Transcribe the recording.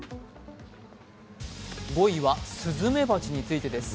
５位はスズメバチについてです。